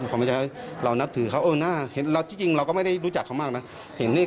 อยู่ระหว่างหารถสำรองให้ผู้เสียหายได้ใช้ไง